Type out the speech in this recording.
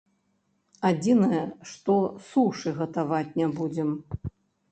Адзінае, што сушы гатаваць не будзем.